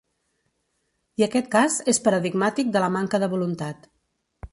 I aquest cas és paradigmàtic de la manca de voluntat.